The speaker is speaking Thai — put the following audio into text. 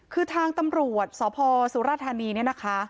คือทางตำรวจสพสุรธานีเนี่ยนะคะ